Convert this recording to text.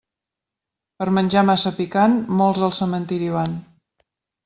Per menjar massa picant, molts al cementeri van.